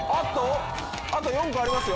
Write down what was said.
あと４個ありますよ。